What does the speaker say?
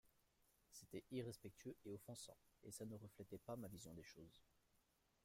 C’était irrespectueux et offensant et ça ne reflétait pas ma vision des choses.